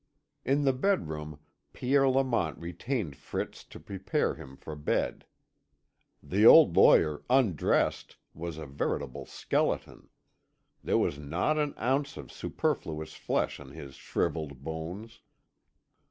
In the bedroom Pierre Lamont retained Fritz to prepare him for bed. The old lawyer, undressed, was a veritable skeleton; there was not an ounce of superfluous flesh on his shrivelled bones.